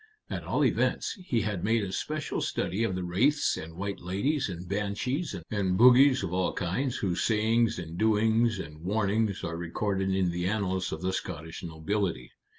At all events, he had made a special study of the wraiths and white ladies and banshees and bogies of all kinds whose sayings and doings and warnings are recorded in the annals of the Scottish nobility.